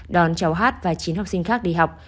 đón cháu hát và chín học sinh khác đi học